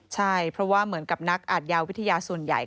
ใช่เพราะว่าเหมือนกับนักอาทยาวิทยาส่วนใหญ่